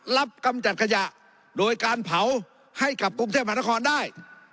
กำจัดขยะโดยการเผาให้กับกรุงเทพมหานครได้